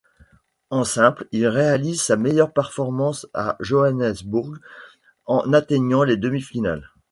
En simple, il réalise sa meilleure performance à Johannesburg en atteignant les demi-finales.